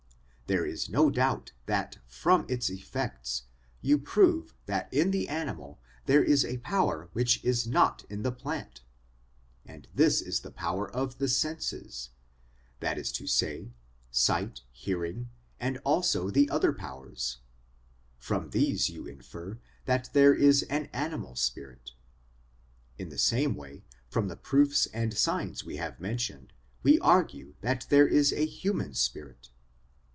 There is no doubt that from its effects you prove that in the animal there is a power which is not in the plant, and this is the power of the senses ; that is to say, sight, hearing, and also other powers; from these you infer that there is an animal spirit. In the same way, from the proofs and POWERS AND CONDITIONS OF MAN 221 signs we have mentioned, we argue that there is a human spirit.